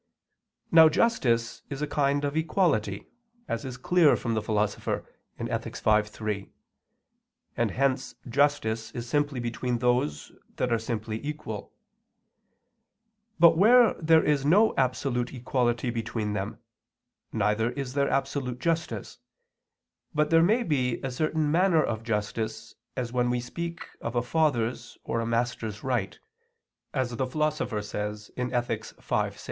Now justice is a kind of equality, as is clear from the Philosopher (Ethic. v, 3), and hence justice is simply between those that are simply equal; but where there is no absolute equality between them, neither is there absolute justice, but there may be a certain manner of justice, as when we speak of a father's or a master's right (Ethic. v, 6), as the Philosopher says.